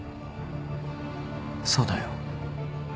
そうだよ。